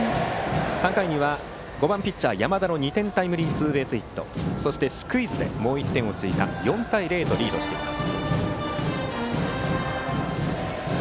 ３回には５番ピッチャーの山田が２点タイムリーツーベースヒットそしてスクイズでもう１点を追加し４対０とリードしています。